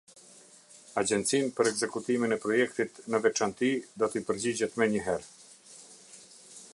Agjencinë për Ekzekutimin e Projektit, në veçanti, do t'i përgjigjet menjëherë.